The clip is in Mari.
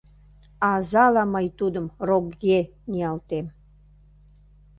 Азала мый тудым рокге ниялтем.